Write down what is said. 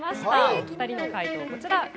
お二人の回答はこちら。